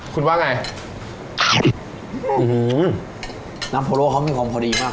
คุณว่าไงอื้อฮือน้ำพะโล้เขามีความพอดีมาก